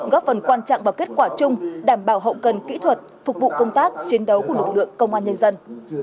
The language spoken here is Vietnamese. góp phần quan trọng vào kết quả chung đảm bảo hậu cần kỹ thuật phục vụ công tác chiến đấu của lực lượng công an nhân dân